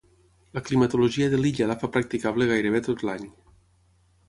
La climatologia de l’illa la fa practicable gairebé tot l’any.